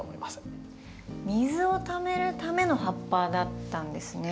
水をためるための葉っぱだったんですね。